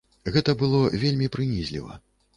Гэта было вельмі прынізліва.